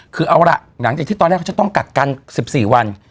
คือเอาล่ะหลังจากที่ตอนแรกเขาจะต้องกักกัน๑๔วัน